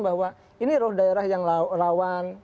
bahwa ini loh daerah yang rawan